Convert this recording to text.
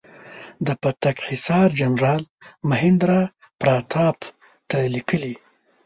د پتک حصار جنرال مهیندراپراتاپ ته لیکلي.